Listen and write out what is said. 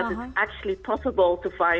bahwa sebenarnya bisa menemukan